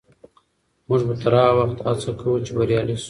موږ به تر هغه وخته هڅه کوو چې بریالي سو.